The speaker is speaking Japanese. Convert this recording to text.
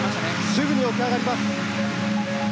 すぐに起き上がります。